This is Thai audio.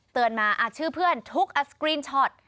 เตือนมาชื่อเพื่อนทุกสกรีนชอต